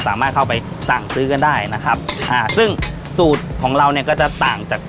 สามารถเข้าไปสั่งซื้อกันได้นะครับค่ะซึ่งสูตรของเราเนี่ยก็จะต่างจาก